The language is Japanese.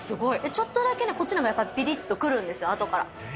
ちょっとだけね、こっちのほうがやっぱりぴりっと来るんですよ、あとから。